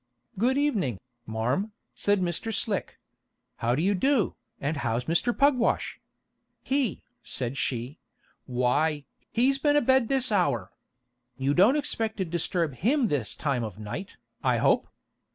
"Good evening, marm," said Mr. Slick. "How do you do? and how's Mr. Pugwash?" "He!" said she: "why, he's been abed this hour. You don't expect to disturb him this time of night, I hope?"